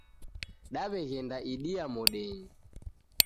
Daw'eghenda idia modenyi.